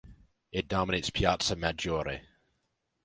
It dominates Piazza Maggiore.